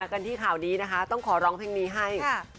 กันที่ข่าวนี้นะคะต้องขอร้องเพลงนี้ให้